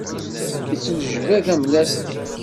Yettnejbad am lastik.